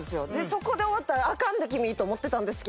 そこで終わったらアカンで君！って思ってたんですけど